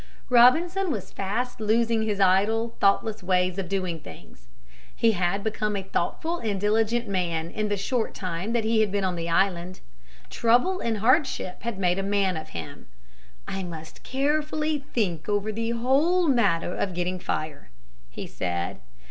Robinson was fast losing his idle, thoughtless ways of doing things. He had become a thoughtful and diligent man in the short time that he had been on the island. Trouble and hardship had made a man of him. "I must carefully think over the whole matter of getting fire," he said.